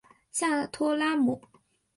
下托拉姆。